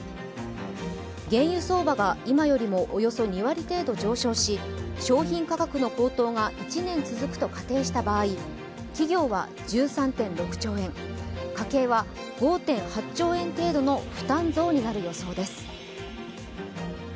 原油相場が今よりもおよそ２割程度上昇し、商品価格の高騰が１年続くと仮定した場合企業は１３．６兆円、家計は５．８兆円程度の負担増になる予想です。